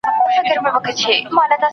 نن وي که سبا به زموږ شهیدي ویني رنګ راوړي